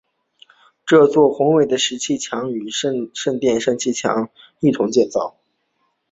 这座宏伟的石砌建筑与圣殿山的挡土墙一同建造。